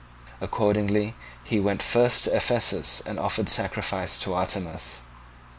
Accordingly he went first to Ephesus and offered sacrifice to Artemis....